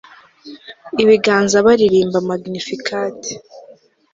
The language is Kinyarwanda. ibiganza baririmba magnificat